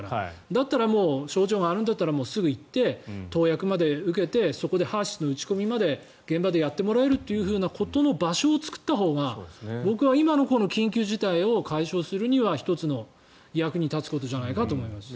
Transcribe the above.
だったら症状があるんだったらすぐ行って、投薬まで受けてそこでＨＥＲ−ＳＹＳの打ち込みまで現場でやってもらえるような場所を作ったほうが僕は今の緊急事態を解消するには１つの役に立つことかなと思います。